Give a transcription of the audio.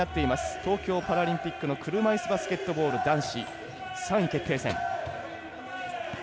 東京パラリンピックの車いすバスケットボール男子３位決定戦。